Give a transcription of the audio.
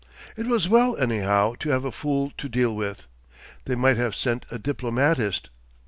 It was well, anyhow, to have a fool to deal with. They might have sent a diplomatist.